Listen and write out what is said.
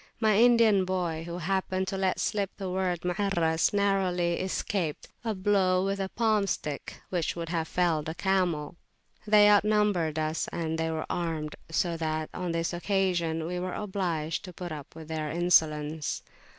My Indian boy, who happened to let slip the word "Muarras," narrowly escaped a blow with a palm stick, which would have felled a camel. They outnumbered us, and they were armed; so that, on this occasion, we were obliged to put up with their insolence.